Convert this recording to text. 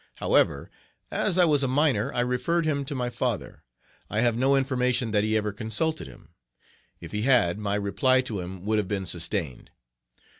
However, as I was a minor, I referred him to my father. I have no information that he ever consulted him. If he had, my reply to him would have been sustained.